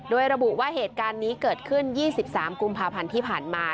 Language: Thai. โดยระบุว่าเหตุการณ์นี้เกิดขึ้น๒๓กุมภาพันธ์ที่ผ่านมา